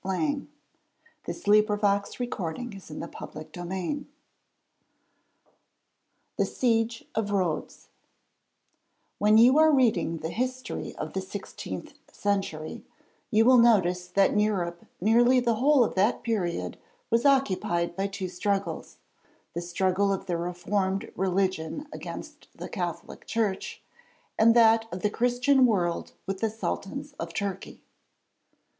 But why do you want to know?' [Illustration: 'HERE,' SAID A VOICE] THE SIEGE OF RHODES When you are reading the history of the sixteenth century, you will notice that in Europe nearly the whole of that period was occupied by two struggles: the struggle of the Reformed religion against the Catholic Church, and that of the Christian world with the Sultans of Turkey.